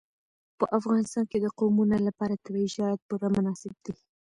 په افغانستان کې د قومونه لپاره طبیعي شرایط پوره مناسب دي.